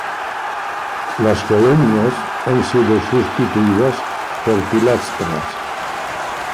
Las columnas han sido sustituidas por pilastras.